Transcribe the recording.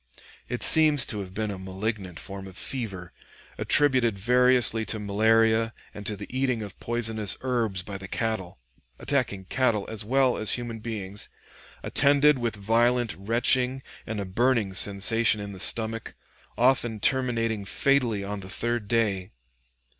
It seems to have been a malignant form of fever attributed variously to malaria and to the eating of poisonous herbs by the cattle attacking cattle as well as human beings, attended with violent retching and a burning sensation in the stomach, often terminating fatally on the third day.